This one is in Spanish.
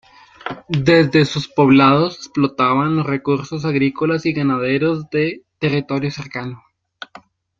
Desde sus poblados explotaban los recursos agrícolas y ganaderos de territorio cercano.